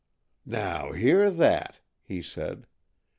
"Now, hear that!" he said.